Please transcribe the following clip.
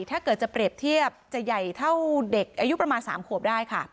ถ้าเกิดจะเปรียบเทียบจะใหญ่เท่าเด็กอายุประมาณ๓ขวบได้ค่ะ